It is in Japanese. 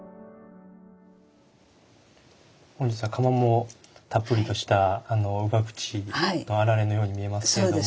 本日は釜もたっぷりとした姥口の霰のように見えますけれども。